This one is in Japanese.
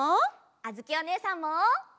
あづきおねえさんも！